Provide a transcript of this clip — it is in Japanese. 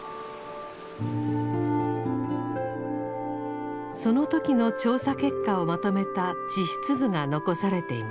その時の調査結果をまとめた地質図が残されています。